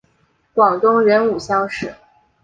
广东壬午乡试。